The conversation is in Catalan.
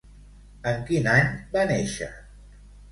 En quin any va néixer?